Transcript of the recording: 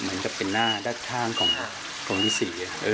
เหมือนกับเป็นหน้าด้านข้างของตรงที่๔